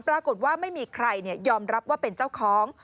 ปรากฏว่าไม่มีใครยอมรับว่าเป็นเจ้าของ